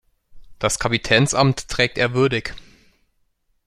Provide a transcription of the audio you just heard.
Das Kapitänsamt trägt er würdig.